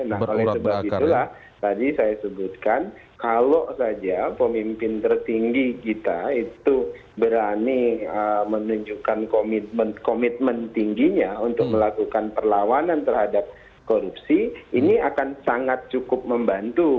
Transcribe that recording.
nah oleh sebab itulah tadi saya sebutkan kalau saja pemimpin tertinggi kita itu berani menunjukkan komitmen tingginya untuk melakukan perlawanan terhadap korupsi ini akan sangat cukup membantu